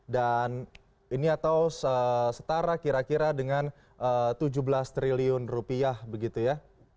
dan ini atau setara kira kira dengan tujuh belas triliun rupiah begitu ya